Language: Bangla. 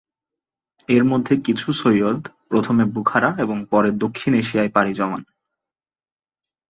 এর মধ্যে কিছু সৈয়দ প্রথমে বুখারা এবং পরে দক্ষিণ এশিয়ায় পাড়ি জমান।